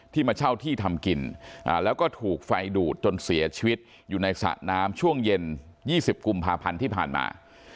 มาเช่าที่ทำกินแล้วก็ถูกไฟดูดจนเสียชีวิตอยู่ในสระน้ำช่วงเย็น๒๐กุมภาพันธ์ที่ผ่านมา